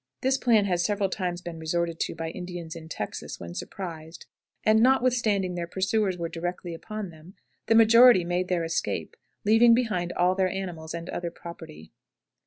This plan has several times been resorted to by Indians in Texas when surprised, and, notwithstanding their pursuers were directly upon them, the majority made their escape, leaving behind all their animals and other property.